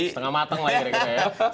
setengah mateng lah ya kira kira ya